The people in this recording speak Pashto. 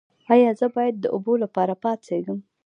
ایا زه باید د اوبو لپاره پاڅیږم؟